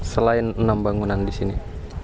selain enam bangunan disini